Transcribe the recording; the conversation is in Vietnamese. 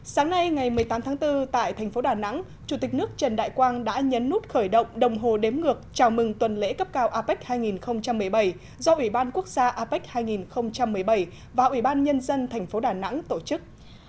sáng nay ngày một mươi tám tháng bốn tại thành phố đà nẵng chủ tịch nước trần đại quang đã nhấn nút khởi động đồng hồ đếm ngược chào mừng tuần lễ cấp cao apec hai nghìn một mươi bảy do ủy ban quốc gia apec hai nghìn một mươi bảy và ủy ban nhân dân thành phố đà nẵng tổ chức